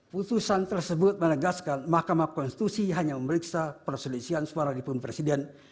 putusan tersebut menegaskan mahkamah konstitusi hanya memeriksa perselisihan suara di pun presiden